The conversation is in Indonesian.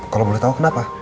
kalau boleh tahu kenapa